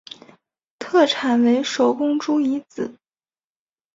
特产为手工猪胰子。